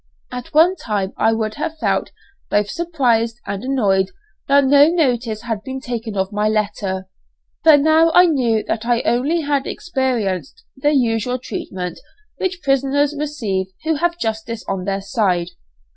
At one time I would have felt both surprised and annoyed that no notice had been taken of my letter, but now I knew that I had only experienced the usual treatment which prisoners receive who have justice on their side.